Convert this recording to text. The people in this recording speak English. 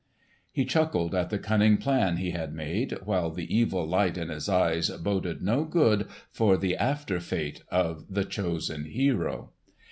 He chuckled at the cunning plan he had made, while the evil light in his eyes boded no good for the after fate of the chosen hero.